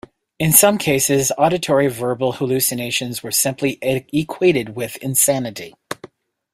In some cases, auditory verbal hallucinations were simply equated with insanity.